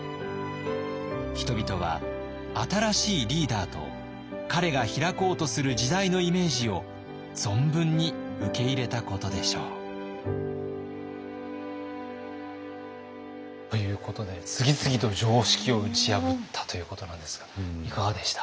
人々は新しいリーダーと彼が開こうとする時代のイメージを存分に受け入れたことでしょう。ということで次々と常識を打ち破ったということなんですがいかがでした？